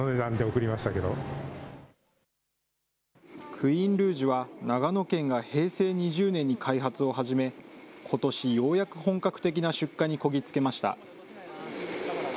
クイーンルージュは、長野県が平成２０年に開発を始め、ことし、ようやく本格的な出荷にこぎ着けました。